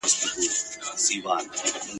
د سيتلا دېوي په جوړېدلو سره هغه